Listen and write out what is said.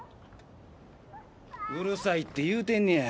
うるさいって言うてんねや。